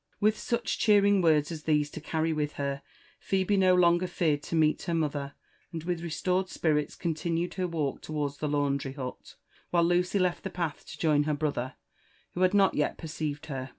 With such cheering words as these (o carry with her, Phebe no longer feared to meet her mother, and with restored spirits continued her walk towards the laundry hut ; while Lucy left the path to join her brother, who had not yet perceived her.